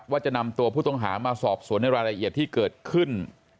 ว่าจะนำตัวผู้ต้องหามาสอบสวนในรายละเอียดที่เกิดขึ้น